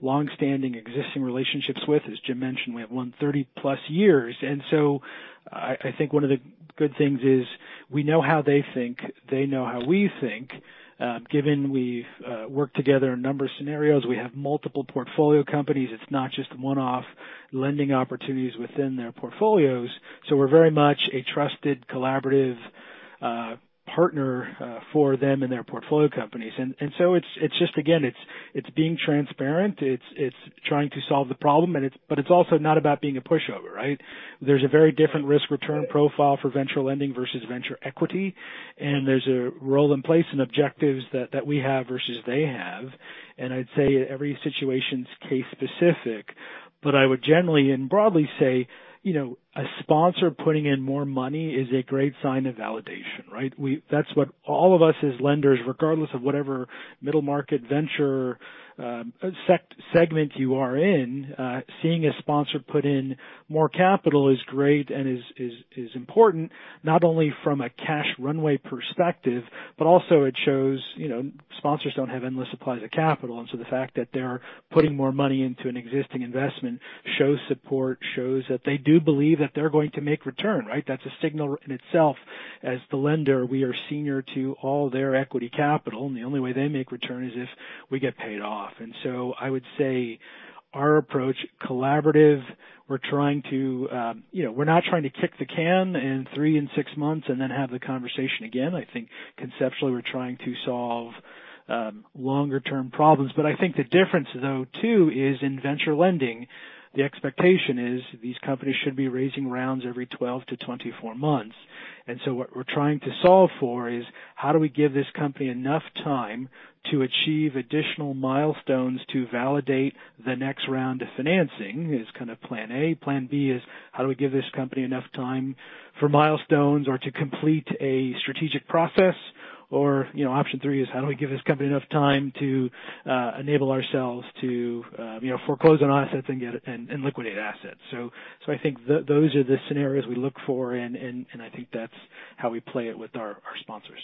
longstanding existing relationships with. As Jim mentioned, we have 130+ years. I think one of the good things is we know how they think. They know how we think. Given we've worked together in a number of scenarios, we have multiple portfolio companies. It's not just one-off lending opportunities within their portfolios. We're very much a trusted, collaborative partner for them and their portfolio companies. Again, it's being transparent. It's trying to solve the problem, but it's also not about being a pushover, right? There's a very different risk-return profile for venture lending versus venture equity, and there's a role and place and objectives that we have versus they have. I'd say every situation is case specific, but I would generally and broadly say a sponsor putting in more money is a great sign of validation, right? That's what all of us as lenders, regardless of whatever middle market venture segment you are in, seeing a sponsor put in more capital is great and is important not only from a cash runway perspective, but also it shows sponsors don't have endless supplies of capital. The fact that they are putting more money into an existing investment shows support, shows that they do believe that they're going to make return, right? That's a signal in itself. As the lender, we are senior to all their equity capital, and the only way they make return is if we get paid off. I would say our approach is collaborative. We're not trying to kick the can in three and six months and then have the conversation again. I think conceptually, we're trying to solve longer-term problems. I think the difference, though, too, is in venture lending, the expectation is these companies should be raising rounds every 12 to 24 months. What we're trying to solve for is how do we give this company enough time to achieve additional milestones to validate the next round of financing is kind of plan A. Plan B is how do we give this company enough time for milestones or to complete a strategic process? Option three is how do we give this company enough time to enable ourselves to foreclose on assets and liquidate assets. I think those are the scenarios we look for, and I think that's how we play it with our sponsors.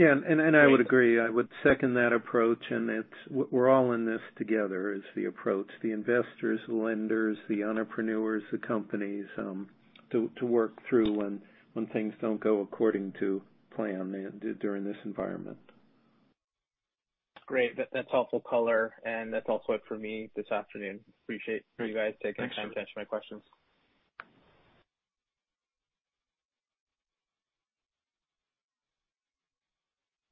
I would agree. I would second that approach. We're all in this together is the approach. The investors, the lenders, the entrepreneurs, the companies to work through when things don't go according to plan during this environment. Great. That's helpful color, and that's all for me this afternoon. Appreciate you guys taking the time to answer my questions.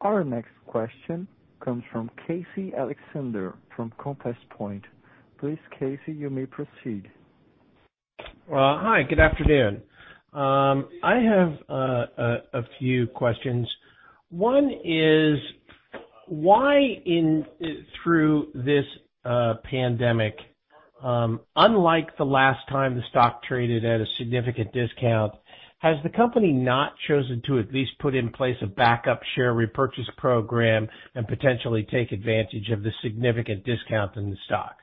Our next question comes from Casey Alexander from Compass Point. Please, Casey, you may proceed. Hi, good afternoon. I have a few questions. One is why through this pandemic unlike the last time the stock traded at a significant discount, has the company not chosen to at least put in place a backup share repurchase program and potentially take advantage of the significant discount in the stock?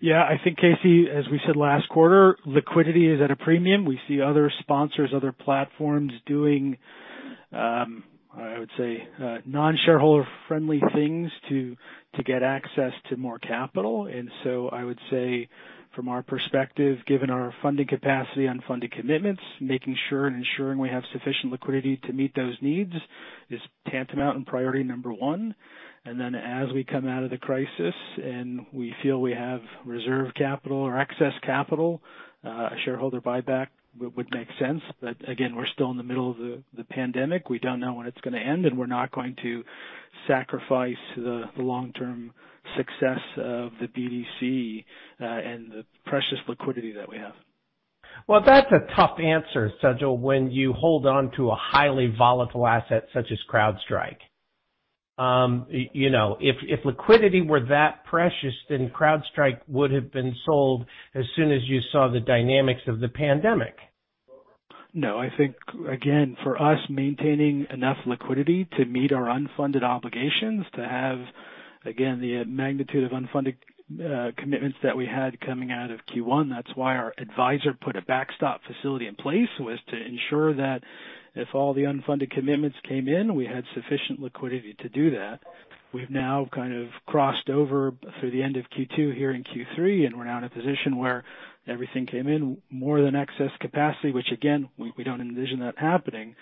Yeah, I think, Casey, as we said last quarter, liquidity is at a premium. We see other sponsors, other platforms doing I would say non-shareholder friendly things to get access to more capital. I would say from our perspective, given our funding capacity on funded commitments, making sure and ensuring we have sufficient liquidity to meet those needs is tantamount and priority number 1. As we come out of the crisis and we feel we have reserve capital or excess capital, a shareholder buyback would make sense. Again, we're still in the middle of the pandemic. We don't know when it's going to end, and we're not going to sacrifice the long-term success of the BDC and the precious liquidity that we have. Well, that's a tough answer, Sajal, when you hold on to a highly volatile asset such as CrowdStrike. If liquidity were that precious, then CrowdStrike would have been sold as soon as you saw the dynamics of the pandemic. No, I think, again, for us, maintaining enough liquidity to meet our unfunded obligations, to have, again, the magnitude of unfunded commitments that we had coming out of Q1, that's why our advisor put a backstop facility in place, was to ensure that if all the unfunded commitments came in, we had sufficient liquidity to do that. We've now kind of crossed over through the end of Q2 here in Q3, and we're now in a position where everything came in more than excess capacity, which again, we don't envision that happening.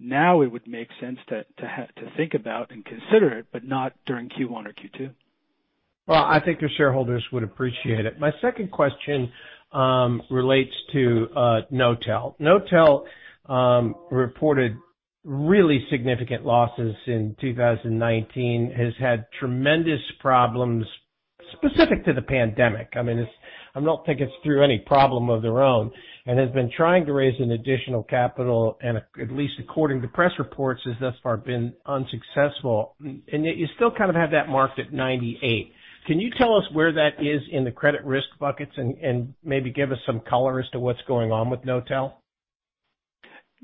Now it would make sense to think about and consider it, but not during Q1 or Q2. Well, I think your shareholders would appreciate it. My second question relates to Knotel. Knotel reported really significant losses in 2019, has had tremendous problems specific to the pandemic. I don't think it's through any problem of their own, and has been trying to raise an additional capital, and at least according to press reports, has thus far been unsuccessful. Yet you still kind of have that marked at 98. Can you tell us where that is in the credit risk buckets and maybe give us some color as to what's going on with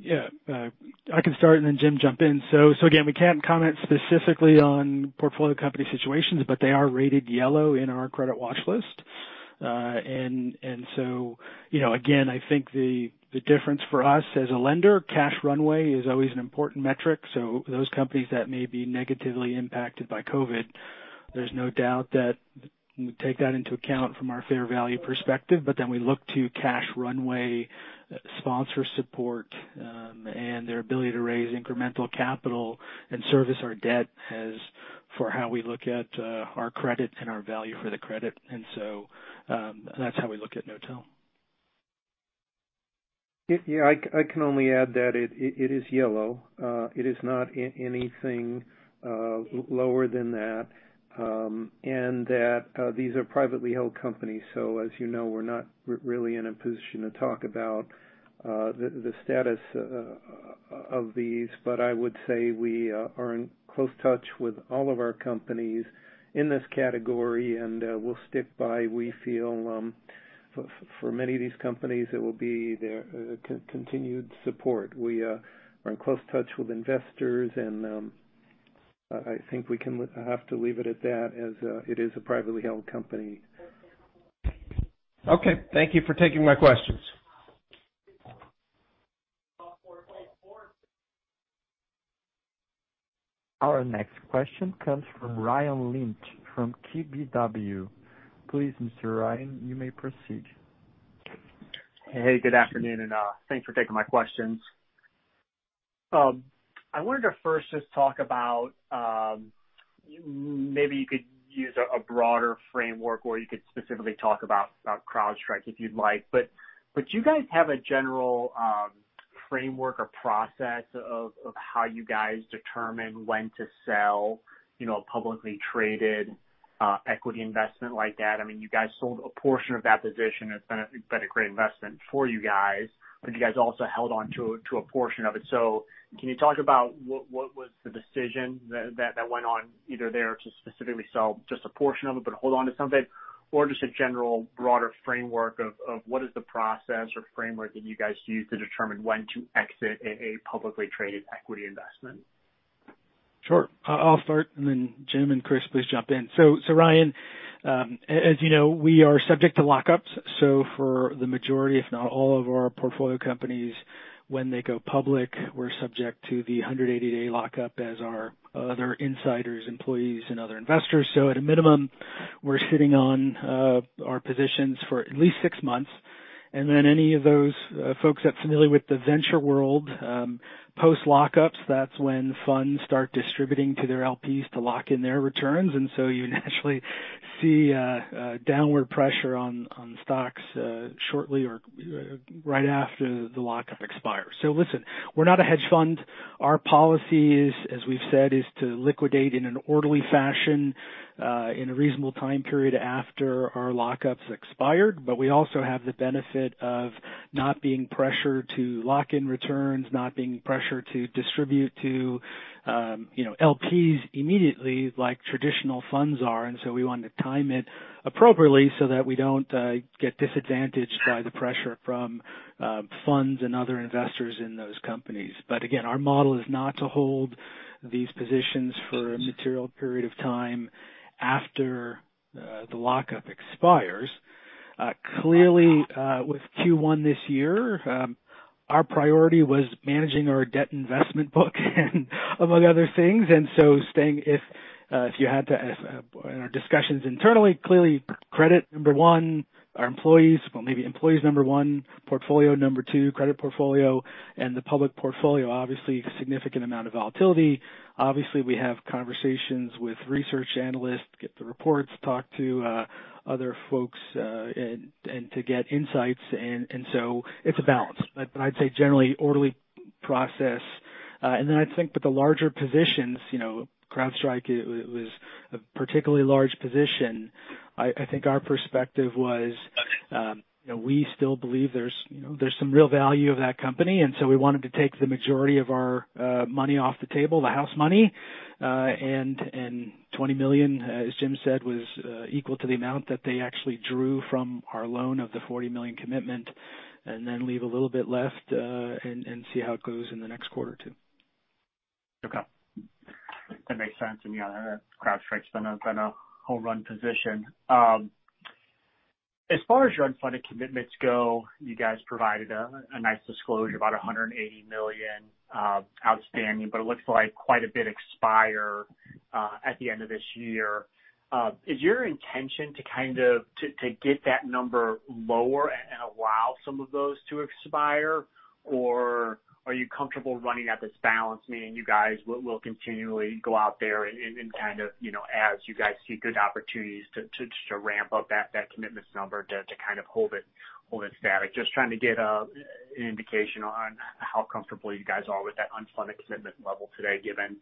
Knotel? I can start and then Jim, jump in. Again, we can't comment specifically on portfolio company situations, but they are rated yellow in our credit watch list. Again, I think the difference for us as a lender, cash runway is always an important metric. Those companies that may be negatively impacted by COVID, there's no doubt that we take that into account from our fair value perspective. We look to cash runway, sponsor support, and their ability to raise incremental capital and service our debt as for how we look at our credit and our value for the credit. That's how we look at Knotel. I can only add that it is yellow. It is not anything lower than that. These are privately held companies. As you know, we're not really in a position to talk about the status of these. I would say we are in close touch with all of our companies in this category, and we'll stick by. We feel for many of these companies, it will be their continued support. We are in close touch with investors, and I think we have to leave it at that as it is a privately held company. Okay. Thank you for taking my questions. Our next question comes from Ryan Lynch from KBW. Please, Mr. Ryan, you may proceed. Hey, good afternoon, and thanks for taking my questions. I wanted to first just talk about, maybe you could use a broader framework, or you could specifically talk about CrowdStrike if you'd like. Do you guys have a general framework or process of how you guys determine when to sell a publicly traded equity investment like that? You guys sold a portion of that position. It's been a great investment for you guys, but you guys also held on to a portion of it. Can you talk about what was the decision that went on either there to specifically sell just a portion of it but hold on to some of it, or just a general broader framework of what is the process or framework that you guys use to determine when to exit a publicly traded equity investment? Sure. I'll start. Jim and Chris, please jump in. Ryan, as you know, we are subject to lockups. For the majority, if not all of our portfolio companies, when they go public, we are subject to the 180-day lockup as are other insiders, employees, and other investors. At a minimum, we are sitting on our positions for at least six months. Any of those folks that are familiar with the venture world, post-lockups, that's when funds start distributing to their LPs to lock in their returns. You naturally see a downward pressure on stocks shortly or right after the lockup expires. Listen, we are not a hedge fund. Our policy is, as we've said, is to liquidate in an orderly fashion, in a reasonable time period after our lockup's expired. We also have the benefit of not being pressured to lock in returns, not being pressured to distribute to LPs immediately like traditional funds are. We want to time it appropriately so that we don't get disadvantaged by the pressure from funds and other investors in those companies. Again, our model is not to hold these positions for a material period of time after the lockup expires. Clearly, with Q1 this year, our priority was managing our debt investment book among other things. Staying if you had to, in our discussions internally, clearly credit number 1, employees number 1, portfolio number 2, credit portfolio, and the public portfolio, obviously, significant amount of volatility. We have conversations with research analysts, get the reports, talk to other folks, and to get insights, it's a balance. I'd say generally orderly process. I think that the larger positions, CrowdStrike was a particularly large position. I think our perspective was, we still believe there's some real value of that company, we wanted to take the majority of our money off the table, the house money. $20 million, as Jim said, was equal to the amount that they actually drew from our loan of the $40 million commitment, leave a little bit left and see how it goes in the next quarter or two. Okay. That makes sense. Yeah, CrowdStrike's been a home run position. As far as your unfunded commitments go, you guys provided a nice disclosure, about $180 million outstanding, it looks like quite a bit expire at the end of this year. Is your intention to get that number lower and allow some of those to expire, or are you comfortable running at this balance, meaning you guys will continually go out there and as you guys see good opportunities to just ramp up that commitments number to kind of hold it static? Just trying to get an indication on how comfortable you guys are with that unfunded commitment level today, given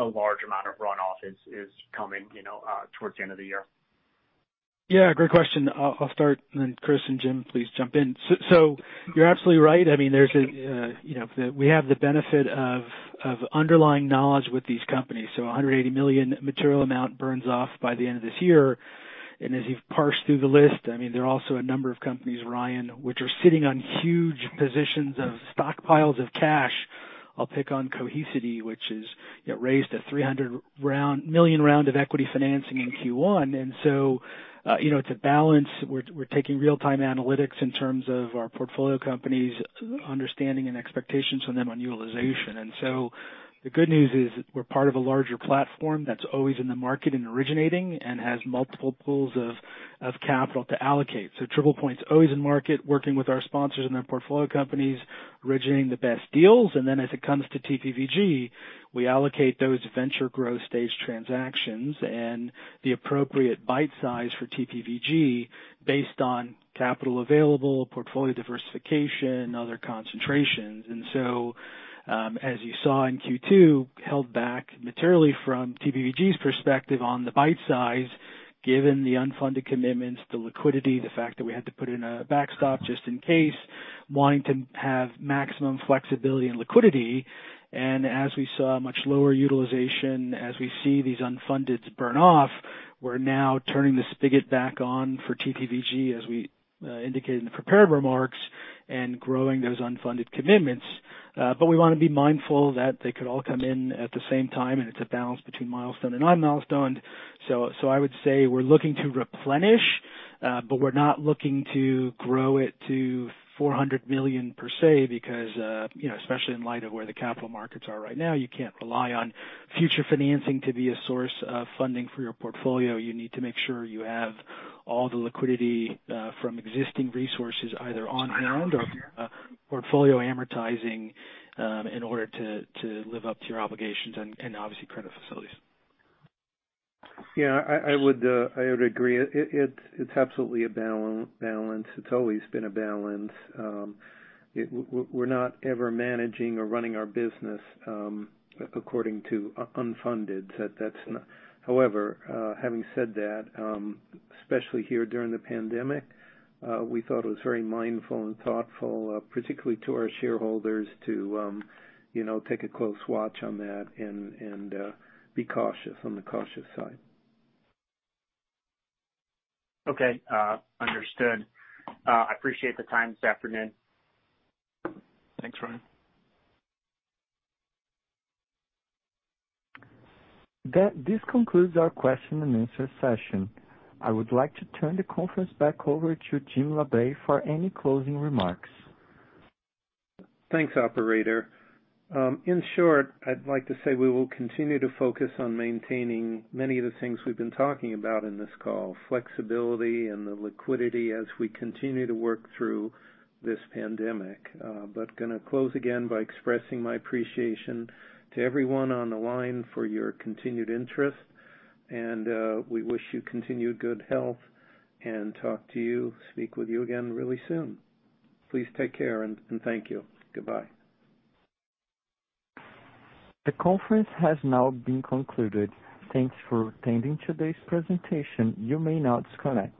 a large amount of runoff is coming towards the end of the year. Great question. I'll start. Chris and Jim, please jump in. You're absolutely right. We have the benefit of underlying knowledge with these companies. $180 million material amount burns off by the end of this year. As you've parsed through the list, there are also a number of companies, Ryan, which are sitting on huge positions of stockpiles of cash. I'll pick on Cohesity, which is raised a $300 million round of equity financing in Q1. To balance, we're taking real-time analytics in terms of our portfolio companies understanding and expectations on them on utilization. The good news is we're part of a larger platform that's always in the market and originating and has multiple pools of capital to allocate. TriplePoint's always in market working with our sponsors and their portfolio companies, originating the best deals. As it comes to TPVG, we allocate those venture growth stage transactions and the appropriate bite size for TPVG based on capital available, portfolio diversification, other concentrations. As you saw in Q2, held back materially from TPVG's perspective on the bite size, given the unfunded commitments, the liquidity, the fact that we had to put in a backstop just in case, wanting to have maximum flexibility and liquidity. As we saw much lower utilization, as we see these unfunded burn off, we're now turning the spigot back on for TPVG, as we indicated in the prepared remarks, and growing those unfunded commitments. We want to be mindful that they could all come in at the same time, and it's a balance between milestone and non-milestone. I would say we're looking to replenish, but we're not looking to grow it to $400 million per se, because, especially in light of where the capital markets are right now, you can't rely on future financing to be a source of funding for your portfolio. You need to make sure you have all the liquidity from existing resources either on hand or portfolio amortizing in order to live up to your obligations and obviously credit facilities. Yeah, I would agree. It's absolutely a balance. It's always been a balance. We're not ever managing or running our business according to unfunded. However, having said that, especially here during the pandemic, we thought it was very mindful and thoughtful, particularly to our shareholders, to take a close watch on that and be cautious, on the cautious side. Okay, understood. I appreciate the time this afternoon. Thanks, Ryan. This concludes our question and answer session. I would like to turn the conference back over to Jim Labe for any closing remarks. Thanks, operator. In short, I'd like to say we will continue to focus on maintaining many of the things we've been talking about in this call, flexibility and the liquidity as we continue to work through this pandemic. Going to close again by expressing my appreciation to everyone on the line for your continued interest. We wish you continued good health and talk to you, speak with you again really soon. Please take care and thank you. Goodbye. The conference has now been concluded. Thanks for attending today's presentation. You may now disconnect.